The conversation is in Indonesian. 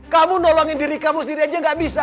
kamu nolongin diri kamu sendiri aja gak bisa